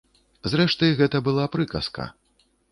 Зрэшты, гэта была прыказка.